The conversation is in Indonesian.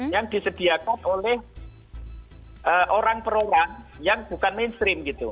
yang disediakan oleh orang per orang yang bukan mainstream gitu